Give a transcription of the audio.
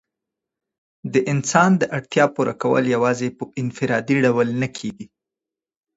د انسان د اړتیا پوره کول یوازي په انفرادي ډول نه کيږي.